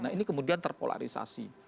nah ini kemudian terpolarisasi